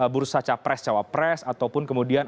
bursa capres cawapres ataupun kemudian